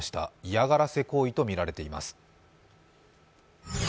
嫌がらせ行為とみられています。